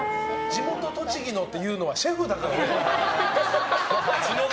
地元・栃木って言うのはシェフだからね。